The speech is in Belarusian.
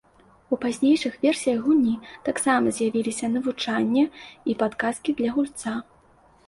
У пазнейшых версіях гульні таксама з'явіліся навучанне і падказкі для гульца.